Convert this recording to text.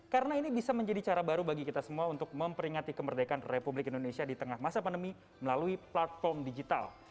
karena ini bisa menjadi cara baru bagi kita semua untuk memperingati kemerdekaan republik indonesia di tengah masa pandemi melalui platform digital